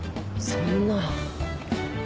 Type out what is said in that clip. そんな。